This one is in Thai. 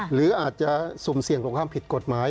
หรืออาจจะสุ่มเสี่ยงต่อความผิดกฎหมาย